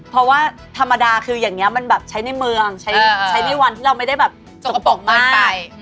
เพราะว่าธรรมดาคืออย่างนี้มันแบบใช้ในเมืองใช้ในวันที่เราไม่ได้แบบสกปรกน้อยไป